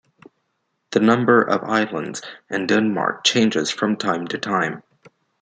The number of islands in Denmark changes from time to time.